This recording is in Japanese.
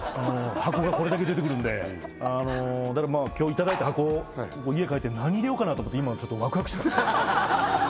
箱がこれだけ出てくるんで今日いただいた箱を家帰って何入れようかなと思って今ちょっとワクワクしてますね